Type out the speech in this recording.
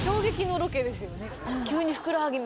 急に。